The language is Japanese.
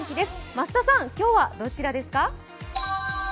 増田さん、今日はどちらですか？